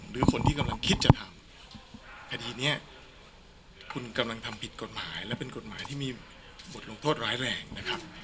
หรือคนที่กำลังคิดจะทำคดีนี้คุณกำลังทำผิดกฎหมายและเป็นกฎหมายที่มีบทลงโทษร้ายแรงนะครับ